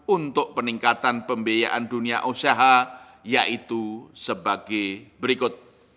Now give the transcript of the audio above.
untuk peningkatan pembiayaan dunia usaha yaitu sebagai berikut